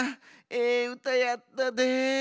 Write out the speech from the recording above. ええうたやったで。